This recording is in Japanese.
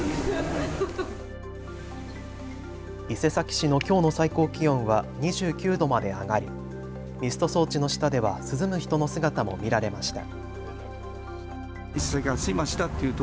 伊勢崎市のきょうの最高気温は２９度まで上がりミスト装置の下では涼む人の姿も見られました。